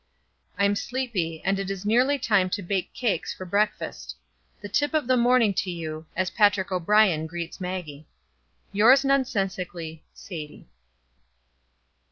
I'm sleepy, and it is nearly time to bake cakes for breakfast. 'The tip of the morning to you,' as Patrick O'Brien greets Maggie. "Yours nonsensically; SADIE."